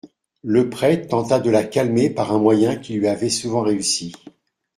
Le prêtre tenta de la calmer par un moyen qui lui avait souvent réussi.